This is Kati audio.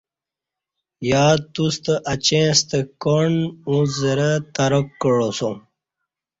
یا توستہ اچیں ستہ کاݨ اوں زرہ تراک کعاسوم